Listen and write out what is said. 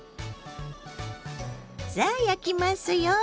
さあ焼きますよ。